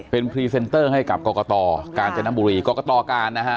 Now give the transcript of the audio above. เป็นพรีเซนเตอร์ให้กับกรกตกาญจนบุรีกรกตการนะฮะ